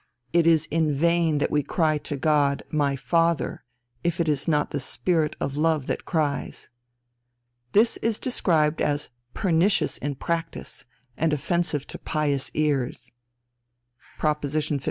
"It is in vain that we cry to God, My Father, if it is not the Spirit of love that cries." This is described as "pernicious in practice, and offensive to pious ears." Proposition 54.